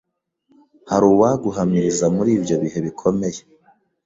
hari uwaguhumuriza muri ibyo bihe bikomeye.